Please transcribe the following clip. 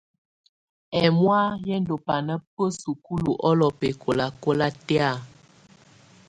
Ɛmɔ̀á yɛ ndù bana ba sukulu ɔlɔ bɛkɔlakɔla tɛ̀á.